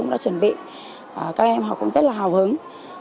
cũng đã chuẩn bị các em học cũng rất là hào hứng